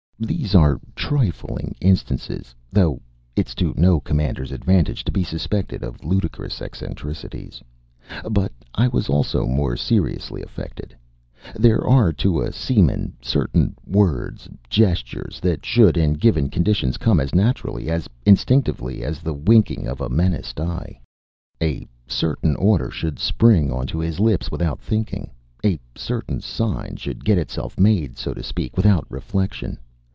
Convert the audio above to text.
These are trifling instances, though it's to no commander's advantage to be suspected of ludicrous eccentricities. But I was also more seriously affected. There are to a seaman certain words, gestures, that should in given conditions come as naturally, as instinctively as the winking of a menaced eye. A certain order should spring on to his lips without thinking; a certain sign should get itself made, so to speak, without reflection.